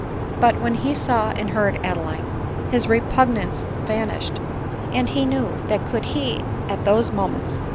But when he saw and heard Adeline, this repugnance vanished } and he knew, that could he at those moments 258 ADELINE MOWBRAY.